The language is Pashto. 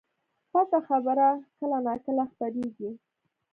پټه خبره کله نا کله خپرېږي